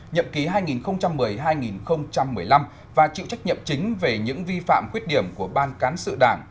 nhậm ký hai nghìn một mươi hai nghìn một mươi năm và chịu trách nhiệm chính về những vi phạm khuyết điểm của ban cán sự đảng